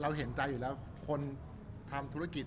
เห็นใจอยู่แล้วคนทำธุรกิจ